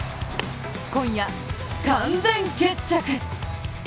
今夜、完全決着。